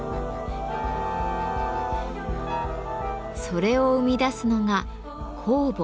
それを生み出すのが「酵母」。